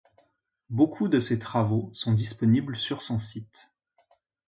Beaucoup de ses travaux sont disponibles sur son site.